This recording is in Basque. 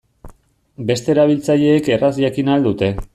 Beste erabiltzaileek erraz jakin ahal dute.